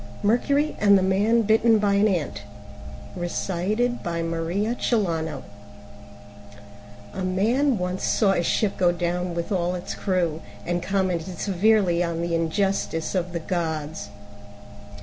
MERCURY AND THE MAN BITTEN BY AN ANT A Man once saw a ship go down with all its crew, and commented severely on the injustice of the gods.